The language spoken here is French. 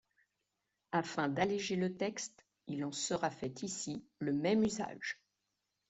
Afin d'alléger le texte, il en sera fait ici le même usage.